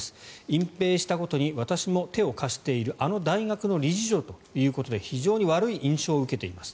隠ぺいしたことに私も手を貸しているあの大学の理事長ということで非常に悪い印象を受けています。